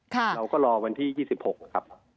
เราก็รอวันที่๒๖นะครับ